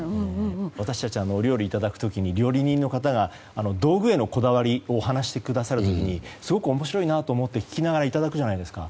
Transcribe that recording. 私たち料理をいただくときに料理人の方が料理道具へのこだわりを話してくださる時にすごく面白いなと思って聞きながらいただくじゃないですか。